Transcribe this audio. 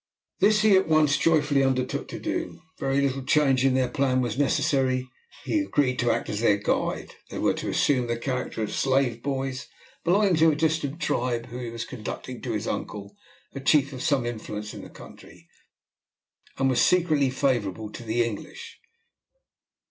This he at once joyfully undertook to do. Very little change in their plan was necessary. He agreed to act as their guide. They were to assume the character of slave boys belonging to a distant tribe whom he was conducting to his uncle, a chief of some influence in the country, and who was secretly favourable to the English.